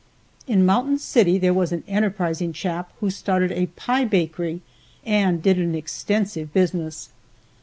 In Mountain City there was an enterprising chap who started a pie bakery and did an extensive business.